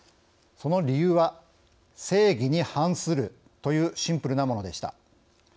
その理由は、正義に反するというシンプルなものでした。